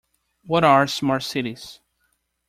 What are Smart Cities?